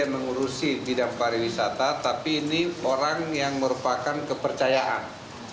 saya mengurusi bidang pariwisata tapi ini orang yang merupakan kepercayaan